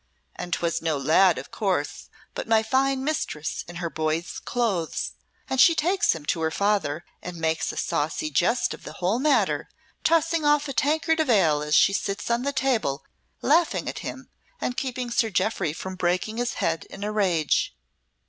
And 'twas no lad, of course, but my fine mistress in her boy's clothes, and she takes him to her father and makes a saucy jest of the whole matter, tossing off a tankard of ale as she sits on the table laughing at him and keeping Sir Jeoffry from breaking his head in a rage.